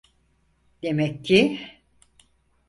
Demek ki…